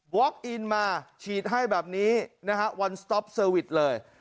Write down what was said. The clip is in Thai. บล็อกอินมาฉีดให้แบบนี้นะครับวันสต๊อปเซอร์วิทย์เลย